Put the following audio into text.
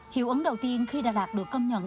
hiệu ứng đầu tiên khi đà lạt được công nhận